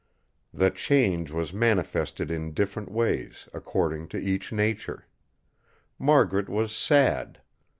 The change was manifested in different ways, according to each nature. Margaret was sad.